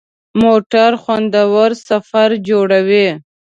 موټر خوندور سفر جوړوي.